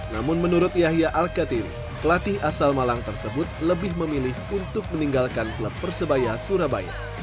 namun menurut yahya al katim pelatih asal malang tersebut lebih memilih untuk meninggalkan klub persebaya surabaya